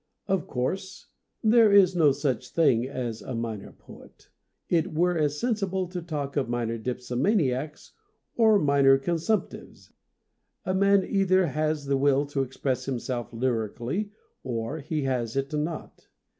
Of course, there is no such thing as a minor poet ; it were as sensible to talk of minor dip somaniacs or minor consumptives. A man either has the will to express himself lyrically or he has it not.